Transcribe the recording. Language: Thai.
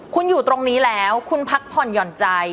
คุณอยู่ตรงนี้แล้วคุณพักผ่อนหย่อนใจ